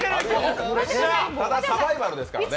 ただサバイバルですからね。